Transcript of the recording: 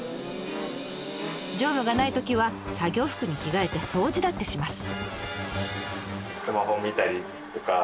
乗務がないときは作業服に着替えて掃除だってします。